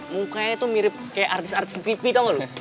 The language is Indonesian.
mukanya tuh mirip kayak artis artis tv tau gak lo